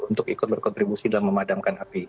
untuk ikut berkontribusi dalam memadamkan api